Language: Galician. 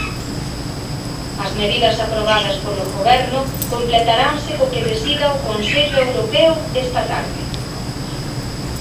As medidas aprobadas polo Goberno completaranse co que decida o Consello Europeo esta tarde.